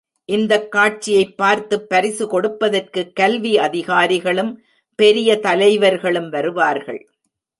இந்தக் காட்சியைப் பார்த்துப் பரிசு கொடுப்பதற்குக் கல்வி அதிகாரிகளும் பெரிய தலைவர்களும் வருவார்கள்.